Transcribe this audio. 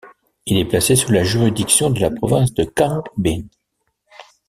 Il est placé sous la juridiction de la province de Quảng Bình.